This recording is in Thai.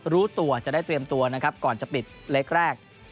รู้ตัวจะได้เตรียมตัวก่อนจะปิดแลก